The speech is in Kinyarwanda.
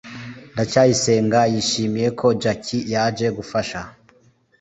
ndacyayisenga yishimiye ko jaki yaje gufasha